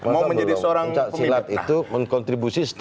mau menjadi seorang pemimpin